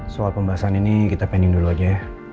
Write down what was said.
soal pembahasan ini kita pending dulu aja